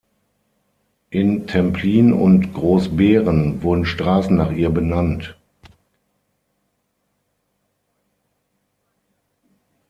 In Templin und Großbeeren wurden Straßen nach ihr benannt.